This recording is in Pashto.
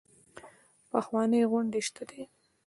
پخوانۍ غونډۍ شته ده.